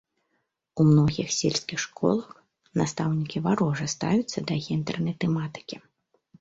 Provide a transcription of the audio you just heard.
У многіх сельскіх школах настаўнікі варожа ставяцца да гендэрнай тэматыкі.